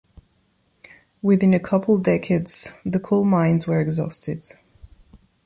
Within a couple decades, the coal mines were exhausted.